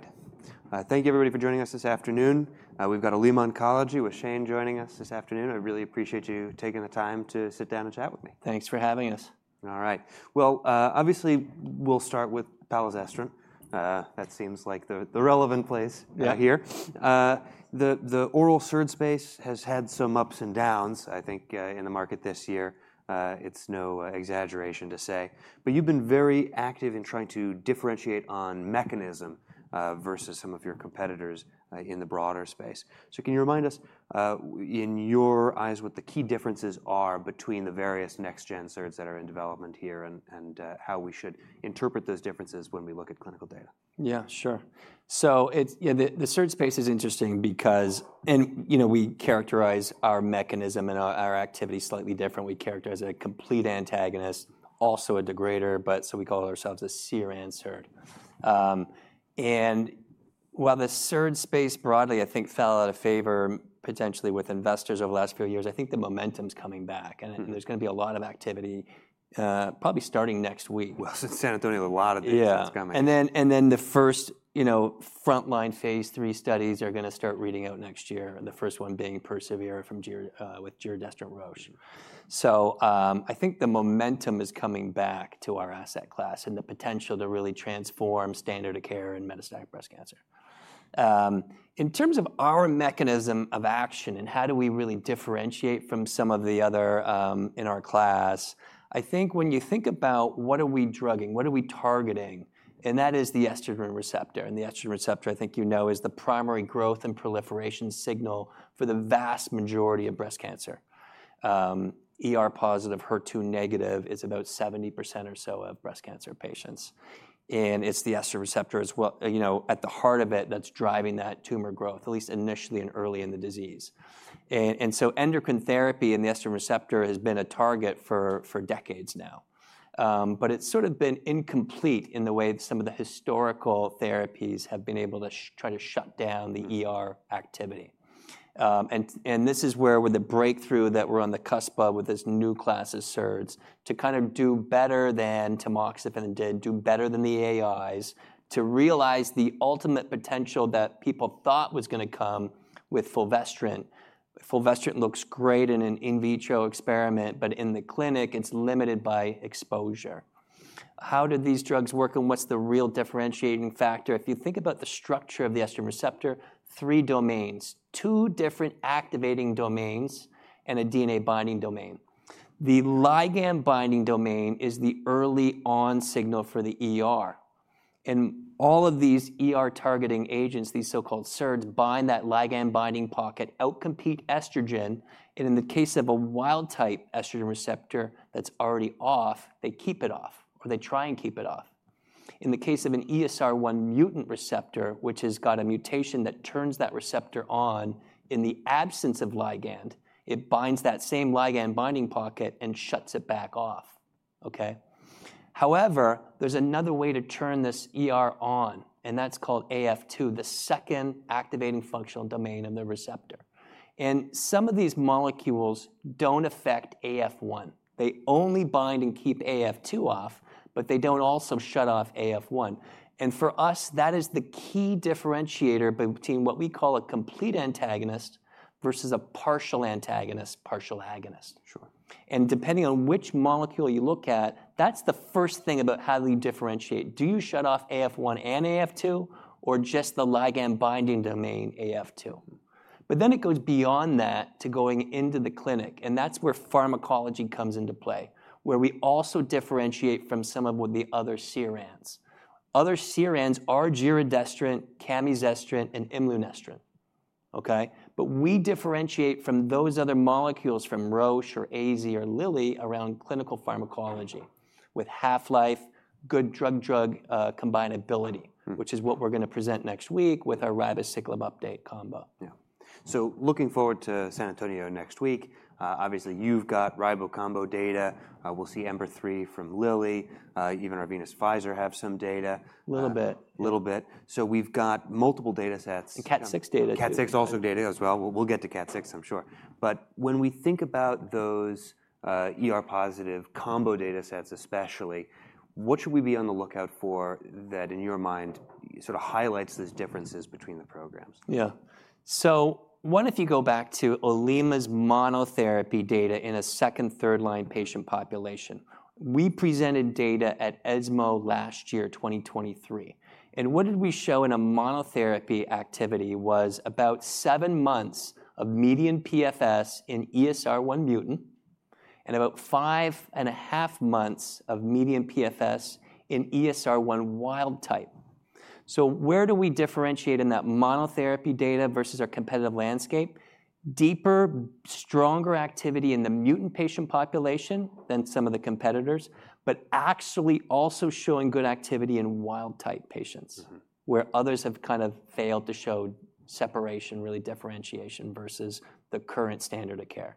All right. Thank you, everybody, for joining us this afternoon. We've got Olema Oncology with Shane joining us this afternoon. I really appreciate you taking the time to sit down and chat with me. Thanks for having us. All right. Well, obviously, we'll start with palazestrant. That seems like the relevant place here. The oral SERD space has had some ups and downs, I think, in the market this year. It's no exaggeration to say. But you've been very active in trying to differentiate on mechanism versus some of your competitors in the broader space. So can you remind us, in your eyes, what the key differences are between the various next-gen SERD that are in development here and how we should interpret those differences when we look at clinical data? Yeah, sure. So the SERD space is interesting because we characterize our mechanism and our activity slightly different. We characterize it as a complete antagonist, also a degrader, but so we call ourselves a CERAN and SERD. And while the SERD space broadly, I think, fell out of favor potentially with investors over the last few years, I think the momentum's coming back. And there's going to be a lot of activity probably starting next week. Since San Antonio, a lot of the insurance is coming. Yeah. And then the first frontline phase 3 studies are going to start reading out next year, the first one being persevERA with giredestrant Roche. So I think the momentum is coming back to our asset class and the potential to really transform standard of care in metastatic breast cancer. In terms of our mechanism of action and how do we really differentiate from some of the other in our class, I think when you think about what are we drugging, what are we targeting, and that is the estrogen receptor. And the estrogen receptor, I think you know, is the primary growth and proliferation signal for the vast majority of breast cancer ER+/HER2- is about 70% or so of breast cancer patients. And it's the estrogen receptor as well at the heart of it that's driving that tumor growth, at least initially and early in the disease. Endocrine therapy and the estrogen receptor has been a target for decades now. But it's sort of been incomplete in the way some of the historical therapies have been able to try to shut down the ER activity. This is where with the breakthrough that we're on the cusp of with this new class of SERD to kind of do better than tamoxifen did, do better than the AIs, to realize the ultimate potential that people thought was going to come with fulvestrant. Fulvestrant looks great in an in vitro experiment, but in the clinic, it's limited by exposure. How did these drugs work and what's the real differentiating factor? If you think about the structure of the estrogen receptor, three domains, two different activating domains, and a DNA binding domain. The ligand binding domain is the early on signal for the ER. And all of these targeting agents, these so-called SERDs bind that ligand binding pocket, outcompete estrogen. And in the case of a wild type estrogen receptor that's already off, they keep it off or they try and keep it off. In the case of an ESR1 mutant receptor, which has got a mutation that turns that receptor on in the absence of ligand, it binds that same ligand binding pocket and shuts it back off. Okay? However, there's another way to turn this on, and that's called AF2, the second activating functional domain of the receptor. And some of these molecules don't affect AF1. They only bind and keep AF2 off, but they don't also shut off AF1. And for us, that is the key differentiator between what we call a complete antagonist versus a partial antagonist, partial agonist. Depending on which molecule you look at, that's the first thing about how do you differentiate. Do you shut off AF1 and AF2 or just the ligand binding domain AF2? Then it goes beyond that to going into the clinic. That's where pharmacology comes into play, where we also differentiate from some of the other CERANs. Other CERANs are giredestrant, camizestrant, and imlunestrant. Okay? We differentiate from those other molecules from Roche or AZ or Lilly around clinical pharmacology with half-life, good drug-drug combinability, which is what we're going to present next week with our ribociclib update combo. Yeah, so looking forward to San Antonio next week. Obviously, you've got ribo combo data. We'll see EMBER-3 from Lilly. Even Arvinas Pfizer have some data. A little bit. A little bit. So we've got multiple data sets. And KAT6 data too. KAT6 also data as well. We'll get to KAT6, I'm sure. But when we think about those positive combo data sets especially, what should we be on the lookout for that in your mind sort of highlights those differences between the programs? Yeah. So one, if you go back to Olema's monotherapy data in a second, third line patient population, we presented data at ESMO last year, 2023, and what did we show in a monotherapy activity was about seven months of median PFS in ESR1 mutant and about five and a half months of median PFS in ESR1 wild type. So where do we differentiate in that monotherapy data versus our competitive landscape? Deeper, stronger activity in the mutant patient population than some of the competitors, but actually also showing good activity in wild type patients where others have kind of failed to show separation, really differentiation versus the current standard of care.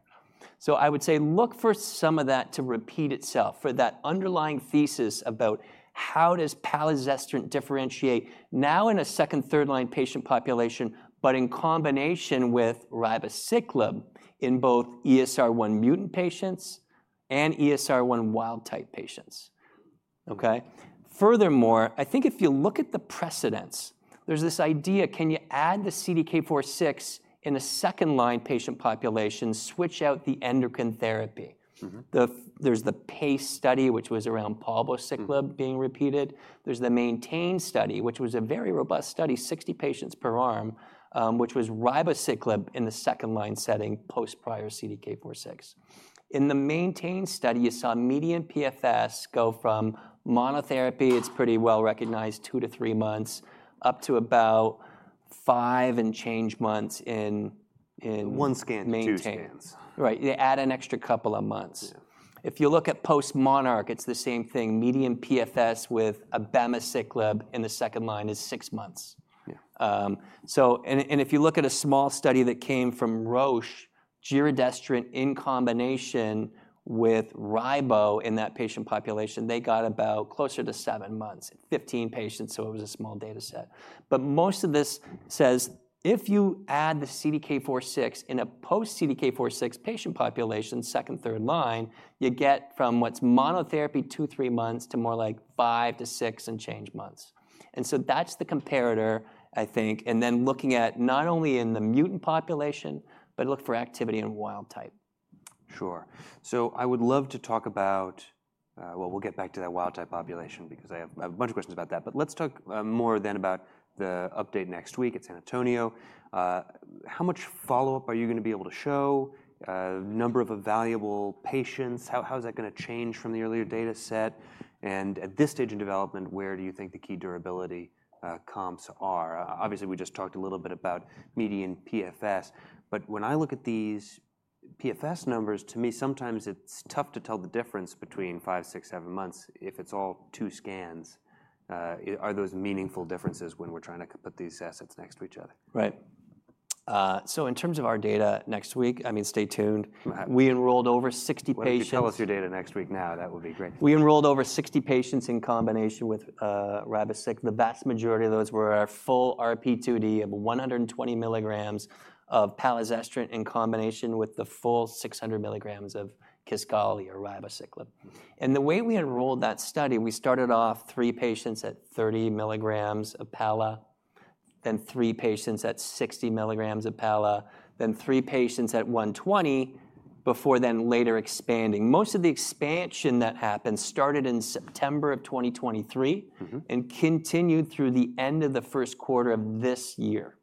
So I would say look for some of that to repeat itself for that underlying thesis about how does palazestrant differentiate now in a second, third line patient population, but in combination with ribociclib in both ESR1 mutant patients and ESR1 wild type patients. Okay? Furthermore, I think if you look at the precedents, there's this idea, can you add the CDK4/6 in a second line patient population, switch out the endocrine therapy? There's the PACE study, which was around palbociclib being repeated. There's the MAINTAIN study, which was a very robust study, 60 patients per arm, which was ribociclib in the second line setting post prior CDK4/6. In the MAINTAIN study, you saw median PFS go from monotherapy, it's pretty well recognized two to three months, up to about five and change months in MAINTAIN. One scan, two scans. Right. You add an extra couple of months. If you look at postMONARCH, it's the same thing. Median PFS with abemaciclib in the second line is six months. And if you look at a small study that came from Roche, giredestrant in combination with ribo in that patient population, they got about closer to seven months, 15 patients, so it was a small data set. But most of this says if you add the CDK4/6 in a post CDK4/6 patient population, second, third line, you get from what's monotherapy two, three months to more like five to six and change months. And so that's the comparator, I think. And then looking at not only in the mutant population, but look for activity in wild type. Sure. So I would love to talk about, well, we'll get back to that wild type population because I have a bunch of questions about that. But let's talk more then about the update next week at San Antonio. How much follow-up are you going to be able to show? Number of evaluable patients? How is that going to change from the earlier data set? And at this stage in development, where do you think the key durability comps are? Obviously, we just talked a little bit about median PFS. But when I look at these PFS numbers, to me, sometimes it's tough to tell the difference between five, six, seven months if it's all two scans. Are those meaningful differences when we're trying to put these assets next to each other? Right. So in terms of our data next week, I mean, stay tuned. We enrolled over 60 patients. If you could tell us your data next week now, that would be great. We enrolled over 60 patients in combination with ribociclib. The vast majority of those were our full RP2D of 120 milligrams of palazestrant in combination with the full 600 milligrams of Kisqali or ribociclib, and the way we enrolled that study, we started off three patients at 30 milligrams of pala, then three patients at 60 milligrams of pala, then three patients at 120 before then later expanding. Most of the expansion that happened started in September of 2023 and continued through the end of the first quarter of this year,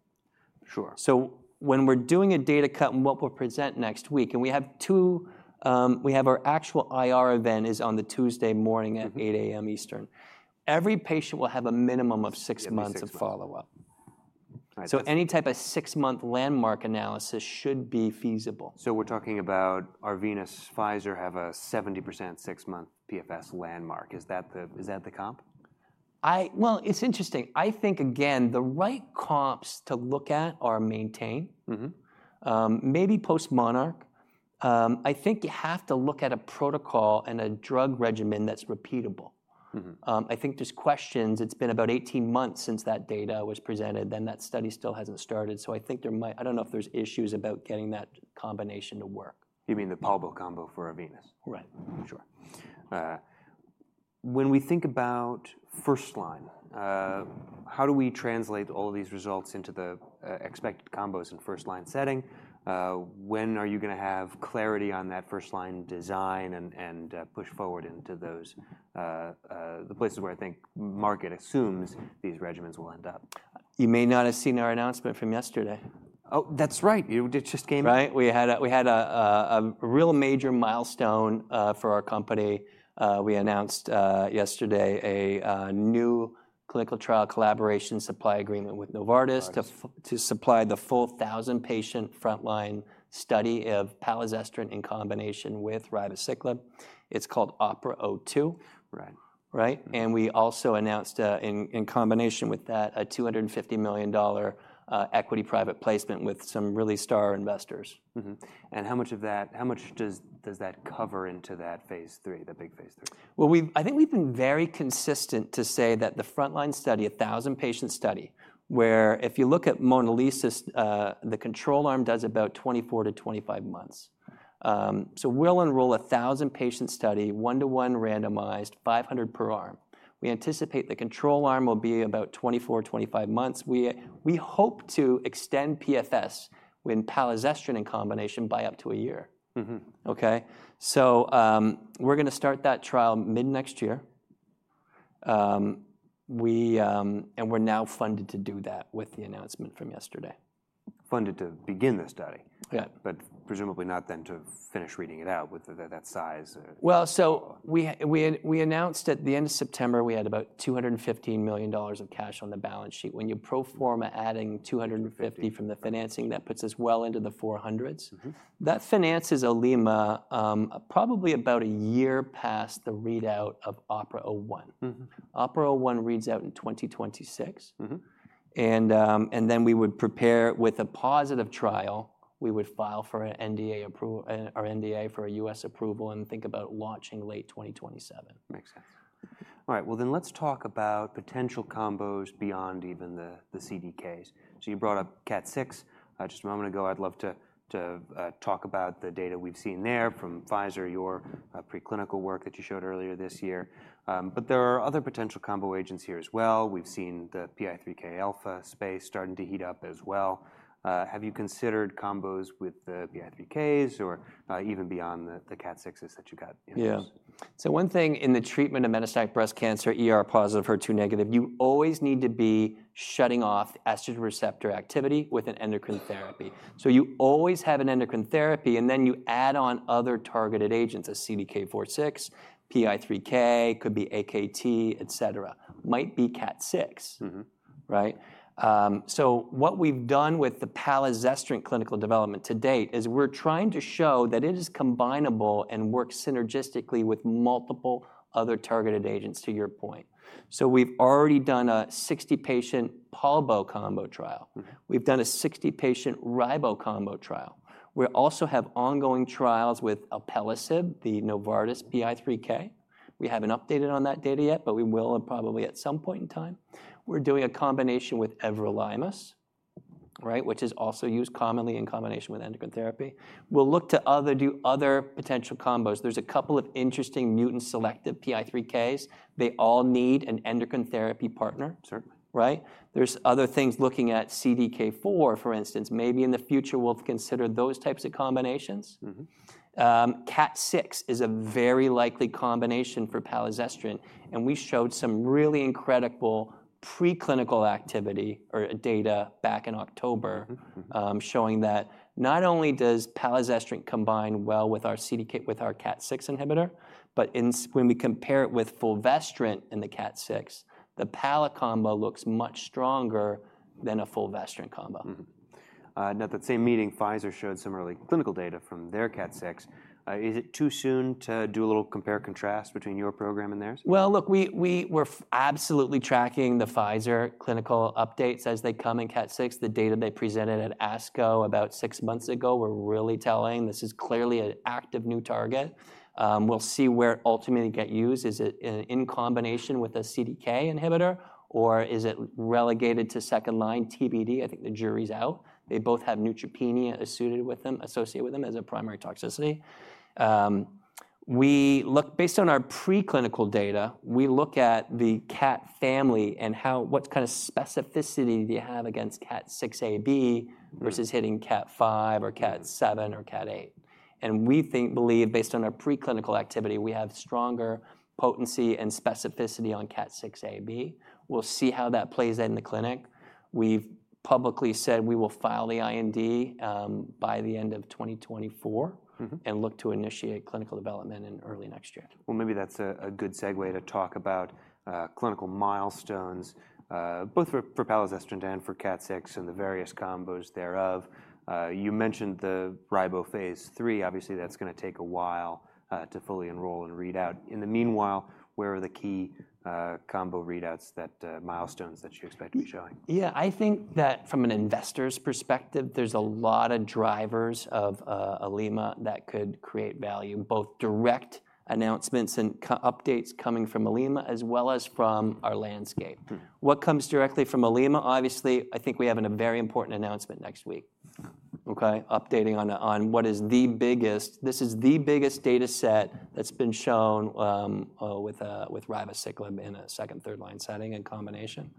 so when we're doing a data cut and what we'll present next week, and we have our actual IR event is on the Tuesday morning at 8:00 A.M. Eastern. Every patient will have a minimum of six months of follow-up, so any type of six-month landmark analysis should be feasible. We're talking about Arvinas Pfizer have a 70% six-month PFS landmark. Is that the comp? It's interesting. I think, again, the right comps to look at are MAINTAIN, maybe postMONARCH. I think you have to look at a protocol and a drug regimen that's repeatable. I think there's questions. It's been about 18 months since that data was presented, then that study still hasn't started. I think there might, I don't know if there's issues about getting that combination to work. You mean the palbo combo for Arvinas? Right. Sure. When we think about first line, how do we translate all these results into the expected combos in first line setting? When are you going to have clarity on that first line design and push forward into the places where I think market assumes these regimens will end up? You may not have seen our announcement from yesterday. Oh, that's right. It just came out. Right? We had a real major milestone for our company. We announced yesterday a new clinical trial collaboration supply agreement with Novartis to supply the full 1,000-patient frontline study of palazestrant in combination with ribociclib. It's called OPERA-02. Right? And we also announced in combination with that a $250 million equity private placement with some really star investors. And how much of that, how much does that cover into that phase III, the big phase III? I think we've been very consistent to say that the frontline study, 1,000-patient study, where if you look at MONALEESA, the control arm does about 24-25 months. So we'll enroll 1,000-patient study, one-to-one randomized, 500 per arm. We anticipate the control arm will be about 24-25 months. We hope to extend PFS when palazestrant in combination by up to a year. Okay? We're going to start that trial mid next year. We're now funded to do that with the announcement from yesterday. Funded to begin the study, but presumably not then to finish reading it out with that size. So we announced at the end of September, we had about $215 million of cash on the balance sheet. When you pro forma adding $250 million from the financing, that puts us well into the 400s. That finances Olema probably about a year past the readout of OPERA-01. OPERA-01 reads out in 2026. Then we would prepare with a positive trial. We would file for an NDA for a U.S. approval and think about launching late 2027. Makes sense. All right. Well, then let's talk about potential combos beyond even the CDKs. So you brought up KAT6 just a moment ago. I'd love to talk about the data we've seen there from Pfizer, your preclinical work that you showed earlier this year. But there are other potential combo agents here as well. We've seen the PI3K alpha space starting to heat up as well. Have you considered combos with the PI3Ks or even beyond the KAT6s that you got? Yeah. So one thing in the treatment of metastatic breast cancer positive, HER2 negative, you always need to be shutting off estrogen receptor activity with an endocrine therapy. So you always have an endocrine therapy and then you add on other targeted agents, a CDK4/6, PI3K, could be AKT, et cetera. Might be KAT6, right? So what we've done with the palazestrant clinical development to date is we're trying to show that it is combinable and works synergistically with multiple other targeted agents to your point. So we've already done a 60-patient palbo combo trial. We've done a 60-patient ribo combo trial. We also have ongoing trials with alpelisib, the Novartis PI3K. We haven't updated on that data yet, but we will probably at some point in time. We're doing a combination with everolimus, right, which is also used commonly in combination with endocrine therapy. We'll look to do other potential combos. There's a couple of interesting mutant selective PI3Ks. They all need an endocrine therapy partner. Right? There's other things looking at CDK4, for instance. Maybe in the future we'll consider those types of combinations. KAT6 is a very likely combination for palazestrant. And we showed some really incredible preclinical activity or data back in October showing that not only does palazestrant combine well with our KAT6 inhibitor, but when we compare it with fulvestrant in the KAT6, the palacombo looks much stronger than a fulvestrant combo. Now, that same meeting, Pfizer showed some early clinical data from their KAT6. Is it too soon to do a little compare and contrast between your program and theirs? Well, look, we're absolutely tracking the Pfizer clinical updates as they come in KAT6. The data they presented at ASCO about six months ago were really telling. This is clearly an active new target. We'll see where it ultimately gets used. Is it in combination with a CDK inhibitor or is it relegated to second line TBD? I think the jury's out. They both have neutropenia associated with them as a primary toxicity. Based on our preclinical data, we look at the KAT family and what kind of specificity do you have against KAT6ab versus hitting KAT5 or KAT7 or KAT8, and we believe based on our preclinical activity, we have stronger potency and specificity on KAT6ab. We'll see how that plays out in the clinic. We've publicly said we will file the IND by the end of 2024 and look to initiate clinical development in early next year. Well, maybe that's a good segue to talk about clinical milestones both for palazestrant and for KAT6 and the various combos thereof. You mentioned the ribo phase III. Obviously, that's going to take a while to fully enroll and read out. In the meanwhile, where are the key combo readouts, milestones that you expect to be showing? Yeah, I think that from an investor's perspective, there's a lot of drivers of Olema that could create value, both direct announcements and updates coming from Olema as well as from our landscape. What comes directly from Olema? Obviously, I think we have a very important announcement next week, okay, updating on what is the biggest, this is the biggest data set that's been shown with ribociclib in a second, third line setting in combination.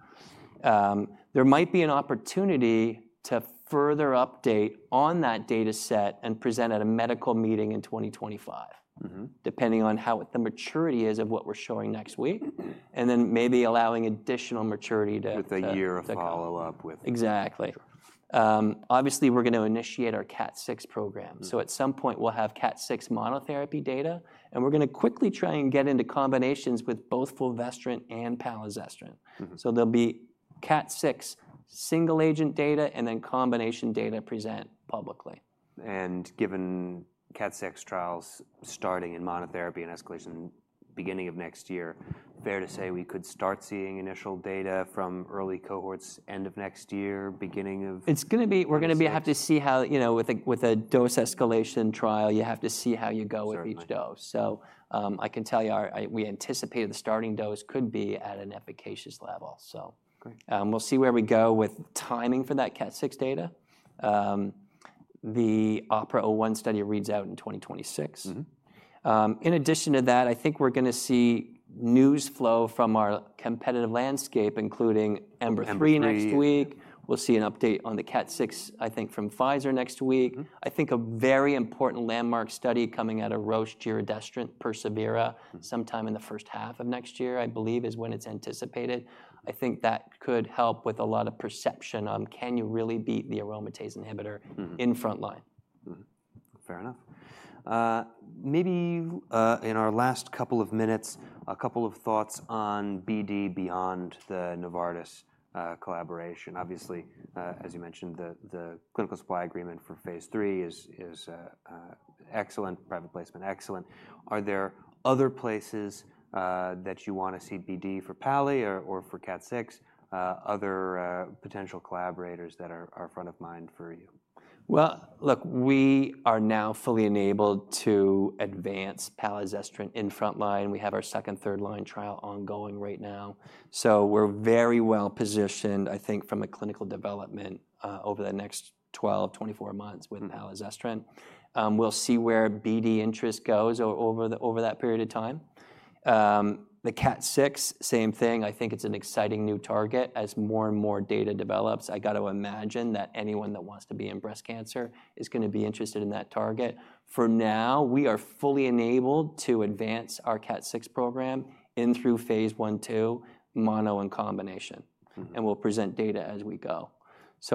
There might be an opportunity to further update on that data set and present at a medical meeting in 2025, depending on how the maturity is of what we're showing next week. And then maybe allowing additional maturity to develop. With a year of follow-up with. Exactly. Obviously, we're going to initiate our KAT6 program. So at some point, we'll have KAT6 monotherapy data. And we're going to quickly try and get into combinations with both fulvestrant and palazestrant. So there'll be KAT6 single agent data and then combination data present publicly. Given KAT6 trials starting in monotherapy and escalation beginning of next year, fair to say we could start seeing initial data from early cohorts end of next year, beginning of? It's going to be, we're going to have to see how, you know, with a dose escalation trial, you have to see how you go with each dose. So I can tell you we anticipate the starting dose could be at an efficacious level. So we'll see where we go with timing for that KAT6 data. The OPERA-01 study reads out in 2026. In addition to that, I think we're going to see news flow from our competitive landscape, including EMBER-3 next week. We'll see an update on the KAT6, I think, from Pfizer next week. I think a very important landmark study coming out of Roche, Giredestrant, persevERA sometime in the first half of next year, I believe, is when it's anticipated. I think that could help with a lot of perception on can you really beat the aromatase inhibitor in front line. Fair enough. Maybe in our last couple of minutes, a couple of thoughts on BD beyond the Novartis collaboration. Obviously, as you mentioned, the clinical supply agreement for phase three is excellent, private placement excellent. Are there other places that you want to see BD for palazestrant or for KAT6? Other potential collaborators that are front of mind for you? Look, we are now fully enabled to advance palazestrant in front line. We have our second, third line trial ongoing right now. We're very well positioned, I think, from a clinical development over the next 12, 24 months with palazestrant. We'll see where BD interest goes over that period of time. The KAT6, same thing. I think it's an exciting new target as more and more data develops. I got to imagine that anyone that wants to be in breast cancer is going to be interested in that target. For now, we are fully enabled to advance our KAT6 program in through phase one, two, mono and combination. We'll present data as we go.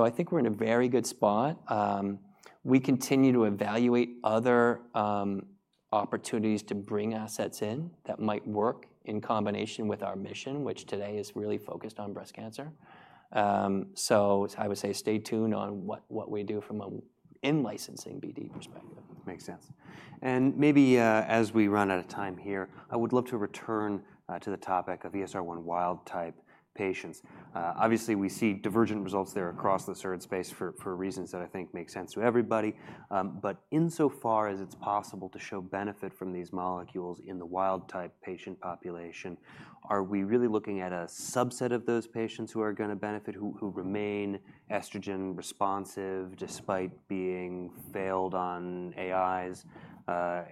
I think we're in a very good spot. We continue to evaluate other opportunities to bring assets in that might work in combination with our mission, which today is really focused on breast cancer, so I would say stay tuned on what we do from a licensing BD perspective. Makes sense. And maybe as we run out of time here, I would love to return to the topic of ESR1 wild-type patients. Obviously, we see divergent results there across the SERD space for reasons that I think make sense to everybody. But insofar as it's possible to show benefit from these molecules in the wild-type patient population, are we really looking at a subset of those patients who are going to benefit, who remain estrogen responsive despite being failed on AIs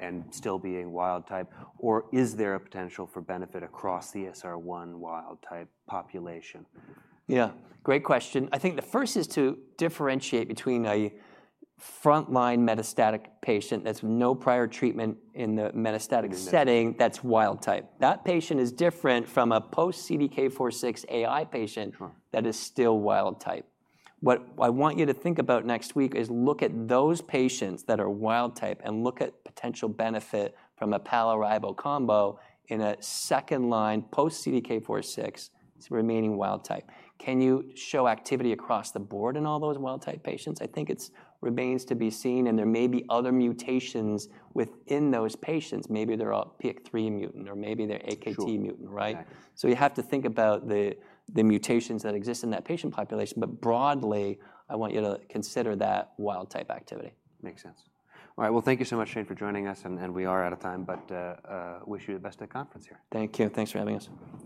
and still being wild-type? Or is there a potential for benefit across the ESR1 wild-type population? Yeah, great question. I think the first is to differentiate between a frontline metastatic patient that's no prior treatment in the metastatic setting that's wild-type. That patient is different from a post-CDK4/6 AI patient that is still wild-type. What I want you to think about next week is look at those patients that are wild-type and look at potential benefit from a pal/ribo combo in a second line post-CDK4/6 remaining wild-type. Can you show activity across the board in all those wild-type patients? I think it remains to be seen. And there may be other mutations within those patients. Maybe they're all PI3K mutant or maybe they're AKT mutant, right? So you have to think about the mutations that exist in that patient population. But broadly, I want you to consider that wild-type activity. Makes sense. All right. Well, thank you so much, Shane, for joining us. And we are out of time, but wish you the best at conference here. Thank you. Thanks for having us.